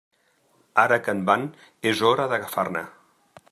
Ara que en van és hora d'agafar-ne.